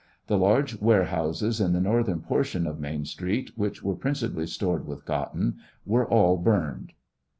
The large warehouses in the northern portion of Main street, which were principally stored with cotton, were all burned.